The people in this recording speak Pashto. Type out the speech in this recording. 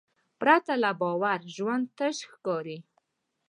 پرته له باور ژوند تش ښکاري.